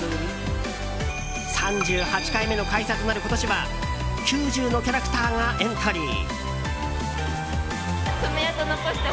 ３８回目の開催となる今年は９０のキャラクターがエントリー。